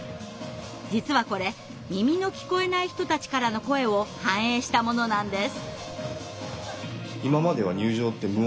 実はこれ耳の聞こえない人たちからの声を反映したものなんです。